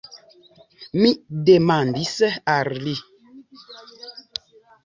Mi demandis al li.